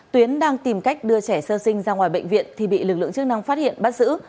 tuyến đang tìm cách đưa trẻ sơ sinh ra ngoài bệnh viện thì bị lực lượng chức năng phát hiện bắt giữ